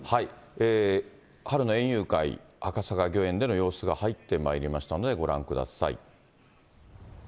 春の園遊会、赤坂御苑での様子が入ってまいりましたのでご覧ください。